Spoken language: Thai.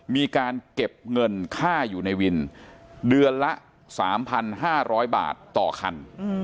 มีการเก็บเงินค่าอยู่ในวินเดือนละ๓๕๐๐บาทต่อคัน